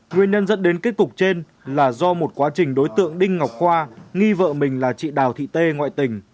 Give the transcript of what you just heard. nguyên nhân dẫn đến kết cục trên là do một quá trình đối tượng đinh ngọc khoa nghi vợ mình là chị đào thị tê ngoại tình